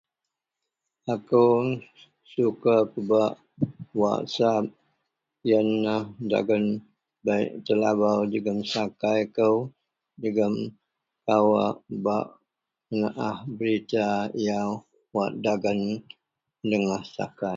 Akou suka pebak wasep yen lah dagen baik telabau jegem sakai kou jegem kawak pebak menaah berita yau wak dagen dengah sakai